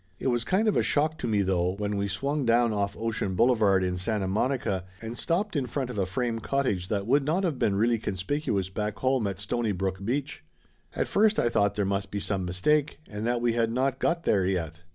It was kind of a shock to me, though, when we swung down off Ocean Boulevard in Santa Monica, and stopped in front of a frame cottage that would not of been really conspicuous back home at Stony Laughter Limited 111 brook Beach. At first I thought there must be some mistake and that we had not go there yet.